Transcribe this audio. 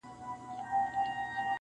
• چي له لیري مي ږغ نه وي اورېدلی -